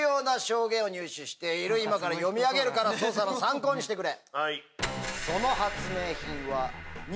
今から読み上げるから捜査の参考にしてくれ。